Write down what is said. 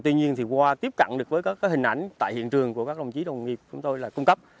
tuy nhiên thì qua tiếp cận được với các hình ảnh tại hiện trường của các đồng chí đồng nghiệp chúng tôi là cung cấp